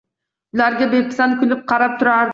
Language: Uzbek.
Ularga bepisand kulib qarab turardi.